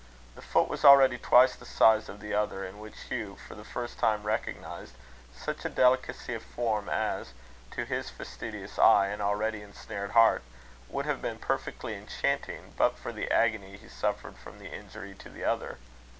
The foot was already twice the size of the other, in which Hugh for the first time recognised such a delicacy of form, as, to his fastidious eye and already ensnared heart, would have been perfectly enchanting, but for the agony he suffered from the injury to the other.